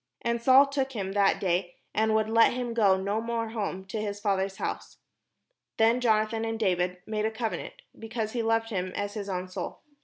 And Saul took him that day, and would let him go no more home to his father's house. Then Jonathan and David made a covenant, because he loved him as his own soul.